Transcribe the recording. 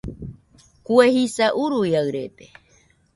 Kue jisa uruiaɨrede